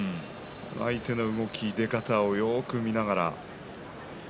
相手の動き、出方をよく見ながら。